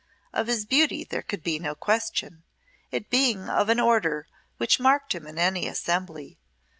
Of his beauty there could be no question, it being of an order which marked him in any assembly.